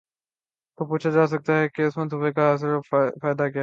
تو پوچھا جا سکتا ہے کہ اس منصوبے کاحاصل اور فائدہ کیا ہے؟